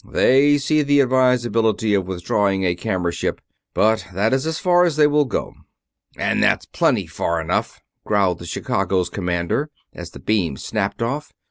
They see the advisability of withdrawing a camera ship, but that is as far as they will go." "And that's plenty far enough!" growled the Chicago's commander, as the beam snapped off. "Mr.